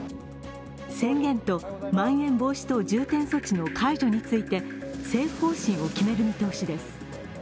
宣言とまん延防止等重点措置の解除について政府方針を決める見通しです。